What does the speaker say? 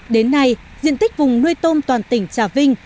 đến nay diện tích vùng nuôi tôm toàn tỉnh trà vinh